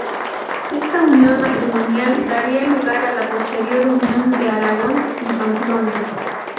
Esta unión matrimonial daría lugar a la posterior unión de Aragón y Pamplona.